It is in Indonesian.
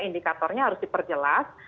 indikatornya harus diperjelas